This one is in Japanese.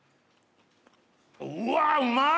うわうまい！